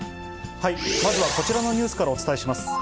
まずはこちらのニュースからお伝えします。